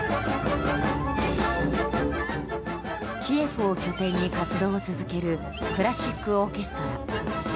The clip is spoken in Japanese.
キエフを拠点に活動を続けるクラシックオーケストラ。